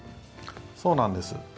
そうなんです。